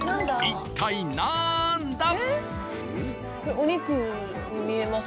一体なんだ？